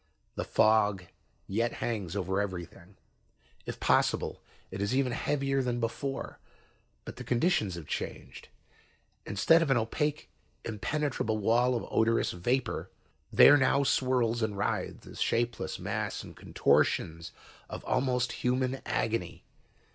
"The fog yet hangs over everything. If possible, it is even heavier than before, but the conditions have changed. Instead of an opaque, impenetrable wall of odorous vapor, there now swirls and writhes a shapeless mass in contortions of almost human agony.